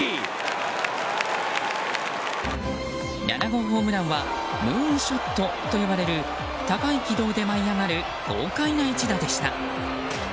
７号ホームランはムーンショットと呼ばれる高い軌道で舞い上がる豪快な一打でした。